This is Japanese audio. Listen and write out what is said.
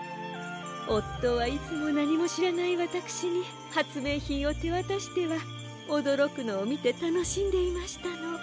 おっとはいつもなにもしらないわたくしにはつめいひんをてわたしてはおどろくのをみてたのしんでいましたの。